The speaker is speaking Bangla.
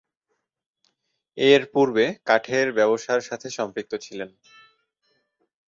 এরপূর্বে কাঠের ব্যবসার সাথে সম্পৃক্ত ছিলেন।